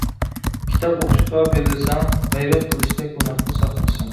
كىتاب ئوقۇشقا بېرىلسەڭ غەيۋەت قىلىشتەك گۇناھتىن ساقلىنىسەن.